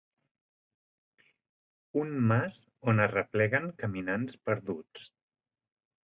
Un mas on arrepleguen caminants perduts.